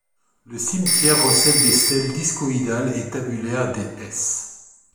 Le cimetière recèle des stèles discoïdales et tabulaires des s.